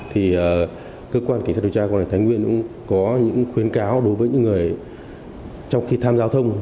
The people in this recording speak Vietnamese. thì cơ quan kỳ sát điều tra của thái nguyên cũng có những khuyến cáo đối với những người trong khi tham giao thông